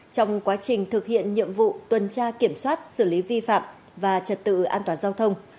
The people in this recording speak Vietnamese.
trong quá trình thực hiện nhiệm vụ tuần tra kiểm soát xử lý vi phạm và trật tự an toàn giao thông